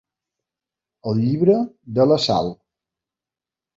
El llibre de la Sal.